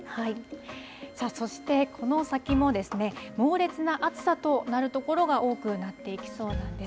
そして、この先も猛烈な暑さとなる所が多くなっていきそうなんです。